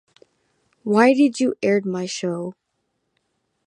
Why did you aired my show?